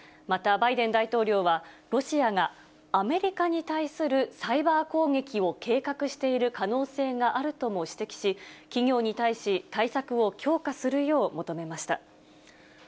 また、バイデン大統領は、ロシアがアメリカに対するサイバー攻撃を計画している可能性があるとも指摘し、企業に対し対策を強化するよう求めました。